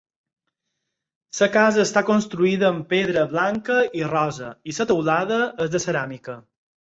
La casa està construïda amb pedra blanca i rosa i la teulada és de ceràmica.